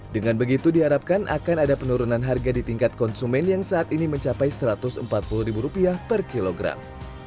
dengan begitu diharapkan akan ada penurunan harga di tingkat konsumen yang saat ini mencapai rp satu ratus empat puluh per kilogram